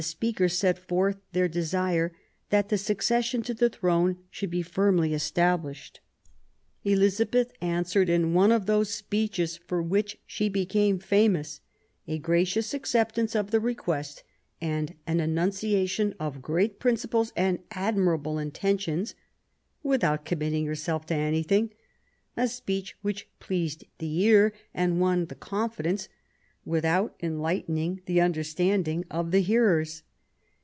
Speaker set forth their desire that the succession to the Throne should be firmly established. Elizabeth answered in one of those speeches for which she became famous — a gracious acceptance of the request and an enunciation of great principles and admirable intentions, without committing herself to anything — a speech which pleased the ear and won the confi dence, without enlightening the understanding, of the hearers.